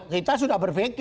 kita sudah berpikir